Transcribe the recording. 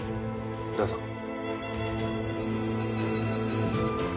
どうぞ。